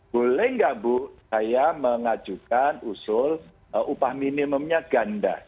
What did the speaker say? boleh nggak bu saya mengajukan usul upah minimumnya ganda